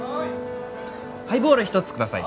ハイボール１つください。